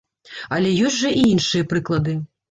Але ёсць жа і іншыя прыклады.